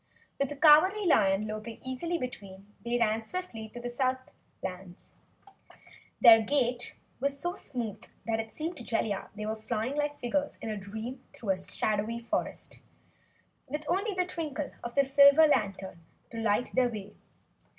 With the Cowardly Lion loping easily between, they ran swiftly toward the Southlands. Their gait was so smooth it seemed to Jellia they were flying like figures in a dream through the shadowy forest, with only the twinkle of the silver lantern to light their way.